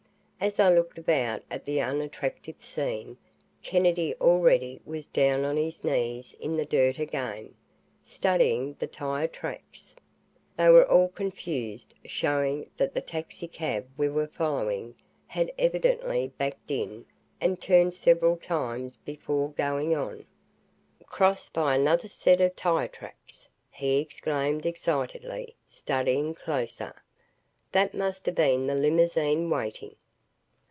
As I looked about at the unattractive scene, Kennedy already was down on his knees in the dirt again, studying the tire tracks. They were all confused, showing that the taxicab we were following had evidently backed in and turned several times before going on. "Crossed by another set of tire tracks!" he exclaimed excitedly, studying closer. "That must have been the limousine, waiting."